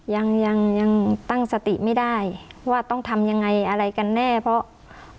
ยังยังตั้งสติไม่ได้ว่าต้องทำยังไงอะไรกันแน่เพราะ